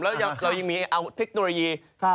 แล้วเรายังมีเอาเทคโนโลยี